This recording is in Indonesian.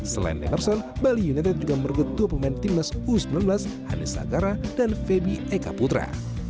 selain demerson bali united juga merugut dua pemain timnas u sembilan belas hanis agara dan feby ekaputra